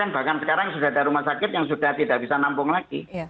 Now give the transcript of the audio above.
bahkan sekarang sudah ada rumah sakit yang sudah tidak bisa nampung lagi